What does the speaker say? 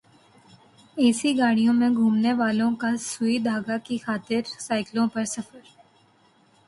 اے C گاڑیوں میں گھومنے والوں کا سوئی دھاگا کی خاطر سائیکل پر سفر